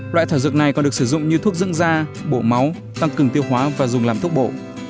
loại thảo dược này còn được sử dụng như thuốc dưỡng da bổ máu tăng cừng tiêu hóa và dùng làm thuốc bổ